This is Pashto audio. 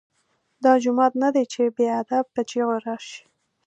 دا جومات نه دی چې بې ادب په چیغو راشې.